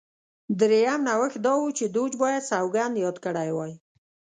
درېیم نوښت دا و دوج باید سوګند یاد کړی وای.